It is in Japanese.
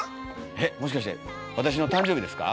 えっもしかして私の誕生日ですか？